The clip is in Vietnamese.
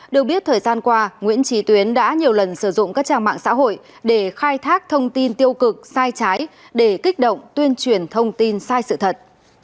được biết thời gian qua nguyễn trí tuyến đã nhiều lần sử dụng các trang mạng xã hội để khai thác thông tin tiêu cực sai trái để kích động tuyên truyền thông tin sai sự thật